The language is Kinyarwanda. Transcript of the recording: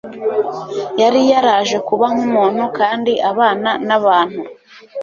Yari yaraje kuba nk'umuntu kandi abana n'abantu,